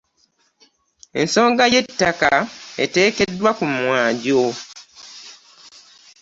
Ensonga y'ettaka etekeddwa ku mwanjo.